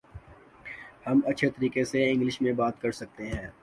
ہم اچھے طریقے سے انگلش میں بات کر سکتے ہیں